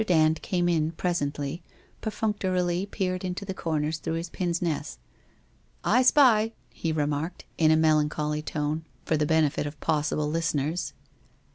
Dand came in, presently, perfunctorily peering into the corners through his pince nez. * I spy !' he remarked, in a melancholy tone, for the benefit of possible listeners.